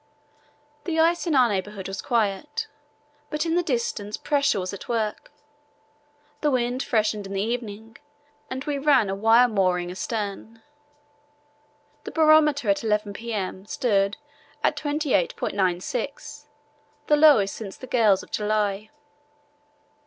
The ice in our neighbourhood was quiet, but in the distance pressure was at work. The wind freshened in the evening, and we ran a wire mooring astern. The barometer at 11 p.m. stood at 28.96, the lowest since the gales of July.